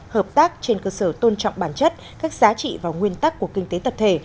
hợp tác trên cơ sở tôn trọng bản chất các giá trị và nguyên tắc của kinh tế tập thể